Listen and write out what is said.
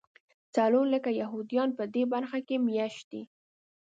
څلور لکه یهودیان په دې برخه کې مېشت دي.